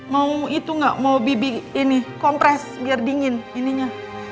mau itu nggak mau bibi ini kompres biar dingin ininya